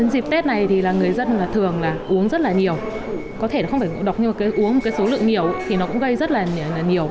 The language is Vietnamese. dịp tết này thì người dân thường uống rất nhiều có thể không phải ngộ độc nhưng uống một số lượng nhiều thì nó cũng gây rất nhiều